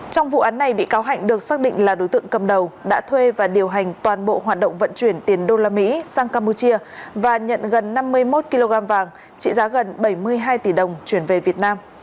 trong vụ án này bị cáo hạnh được xác định là đối tượng cầm đầu đã thuê và điều hành toàn bộ hoạt động vận chuyển tiền đô la mỹ sang campuchia và nhận gần năm mươi một kg vàng trị giá gần bảy mươi hai tỷ đồng chuyển về việt nam